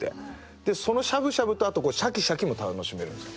でそのしゃぶしゃぶとあとシャキシャキも楽しめるんですよ。